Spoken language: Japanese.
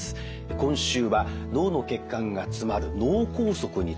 今週は脳の血管が詰まる脳梗塞について。